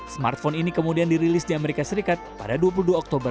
smartphone ini kemudian dirilis di amerika serikat pada dua puluh dua oktober dua ribu